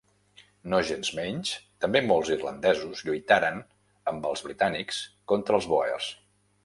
Nogensmenys, també molts irlandesos lluitaren amb els britànics contra els bòers.